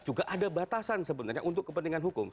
juga ada batasan sebenarnya untuk kepentingan hukum